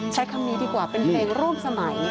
ใช้คำนี้ดีกว่าเป็นเพลงร่วมสมัย